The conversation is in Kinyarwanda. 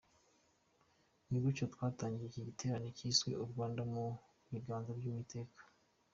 Ni gutyo twatangiye iki giterane cyiswe “U Rwanda mu Biganza by’Uwiteka”.